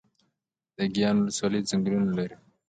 ګیان ولسوالۍ ځنګلونه لري؟